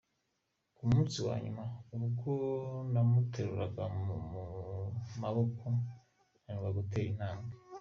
Ku munsi wa nyuma, ubwo namuteruraga mu maboko, nanirwa gutera intambwe.